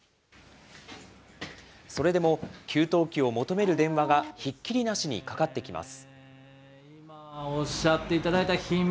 それでも給湯器を求める電話がひっきりなしにかかってきます。